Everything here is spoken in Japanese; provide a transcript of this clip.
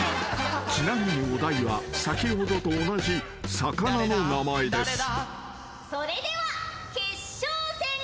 ［ちなみにお題は先ほどと同じ魚の名前です］よいしょ！